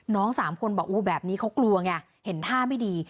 สามคนบอกโอ้แบบนี้เขากลัวไงเห็นท่าไม่ดี